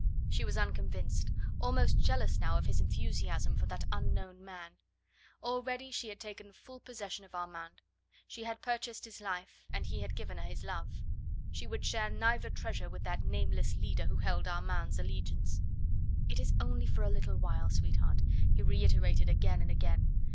She was unconvinced, almost jealous now of his enthusiasm for that unknown man. Already she had taken full possession of Armand; she had purchased his life, and he had given her his love. She would share neither treasure with that nameless leader who held Armand's allegiance. "It is only for a little while, sweetheart," he reiterated again and again.